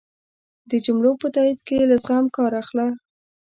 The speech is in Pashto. د جملو په تایېد کی له زغم کار اخله